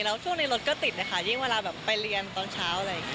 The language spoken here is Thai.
แล้วช่วงนี้รถก็ติดนะคะยิ่งเวลาไปเรียนตอนเช้า